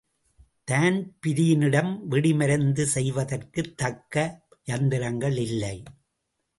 தான்பிரீனிடம் வெடிமருந்து செய்வதற்குத் தக்க யந்திரங்கள் இல்லை.